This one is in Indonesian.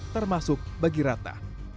termasuk bagi ratna